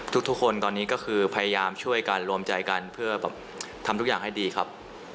ทุกคนตอนนี้ก็คือพยายามช่วยกันรวมใจกันเพื่อแบบทำทุกอย่างให้ดีครับ